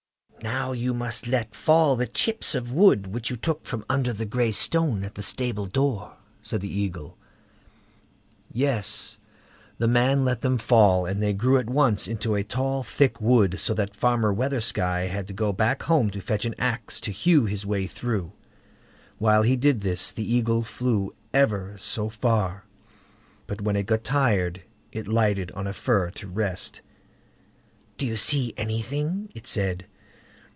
"Now, you must let fall the chips of wood which you took from under the gray stone at the stable door", said the Eagle. Yes! the man let them fall, and they grew at once up into tall thick wood, so that Farmer Weathersky had to go back home to fetch an axe to hew his way through. While he did this, the Eagle flew ever so far, but when it got tired, it lighted on a fir to rest. "Do you see anything?" it said.